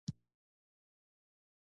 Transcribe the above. هره ورځ د الله شکر ادا کړه.